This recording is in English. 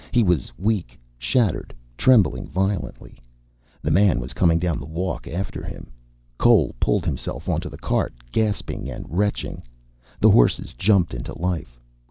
He was weak, shattered, trembling violently. The man was coming down the walk after him. Cole pulled himself onto the cart, gasping and retching. The horses jumped into life.